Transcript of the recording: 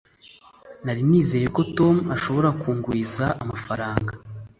nari nizeye ko tom ashobora kunguriza amafaranga